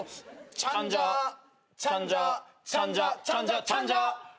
チャンジャチャンジャチャンジャチャンジャチャンジャ！